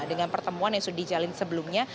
dengan pertemuan yang sudah dijalin sebelumnya